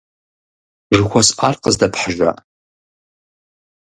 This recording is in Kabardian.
Жыхуэсӏар къыздэпхьыжа?